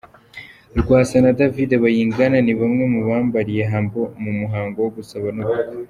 Rwasa na David Bayingana ni bamwe mubambariye Humble mu muhango wo gusaba no gukwa.